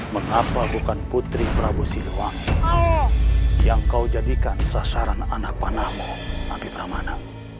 mengapa bukan putri prabu siluang yang kau jadikan sasaran anak panahmu nabi pramana